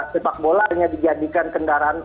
sepak bola hanya dijadikan kendaraan